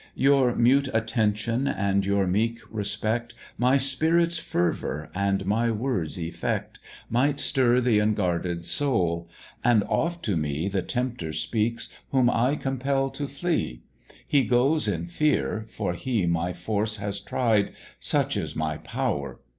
Your mute attention, and your meek respect, My spirit's fervour, and my words' effect, Might stir th' unguarded soul; and oft to me The Tempter speaks, whom I compel to flee; He goes in fear, for he my force has tried, Such is my power!